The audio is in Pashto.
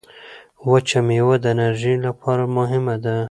وچه مېوه د انرژۍ لپاره مهمه ده.